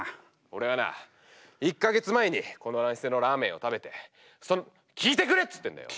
俺はな１か月前にこのお店のラーメンを食べてその聞いてくれっつってんだよ！